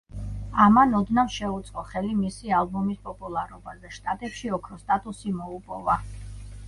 ამან ოდნავ შეუწყო ხელი მისი ალბომის პოპულარობას და შტატებში ოქროს სტატუსი მოუპოვა.